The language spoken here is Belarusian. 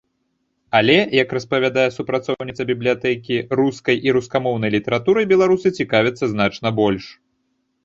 Але, як распавядае супрацоўніца бібліятэкі, рускай і рускамоўнай літаратурай беларусы цікавяцца значна больш.